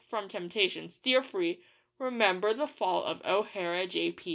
_ from temptation steer free, Remember the fall of O'Hara, J.